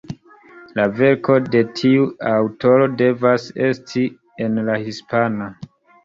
La verko de tiu aŭtoro devas esti en la hispana.